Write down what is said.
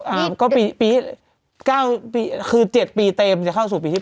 อ่าก็ปีปีเก้าปีคือ๗ปีเต็มจะเข้าสู่ปีที่๘